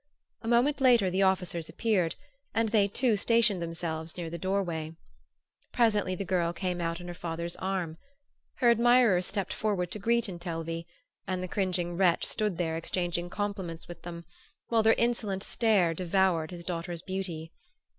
A moment later the officers appeared, and they too stationed themselves near the doorway. Presently the girl came out on her father's arm. Her admirers stepped forward to greet Intelvi; and the cringing wretch stood there exchanging compliments with them, while their insolent stare devoured his daughter's beauty.